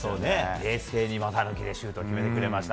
冷静に股抜きシュートを決めてくれました。